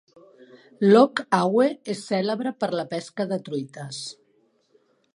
Loch Awe és cèlebre per la pesca de truites.